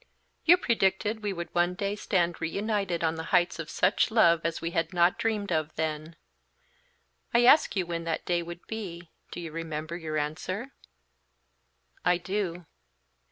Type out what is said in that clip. "You predicted we would one day stand reunited on the heights of such love as we had not dreamed of then. I asked you when that day would be; do you remember your answer?" "I do."